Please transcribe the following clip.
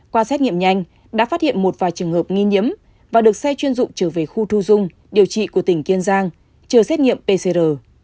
qua xét nghiệm nhanh đã phát hiện một vài trường hợp nghi nhiễm và được xe chuyên dụng trở về khu thu dung điều trị của tỉnh kiên giang chờ xét nghiệm pcr